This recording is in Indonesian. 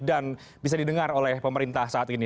dan bisa didengar oleh pemerintah saat ini